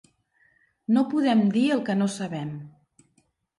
No podem dir el que no sabem.